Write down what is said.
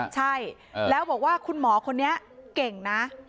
ใช่แล้วบอกว่าคุณหมอคนนี้เก่งนะ